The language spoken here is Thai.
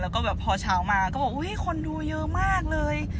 แล้วก็แบบพอเช้ามาก็บอกอุ๊ยคนดูเยอะมากเลย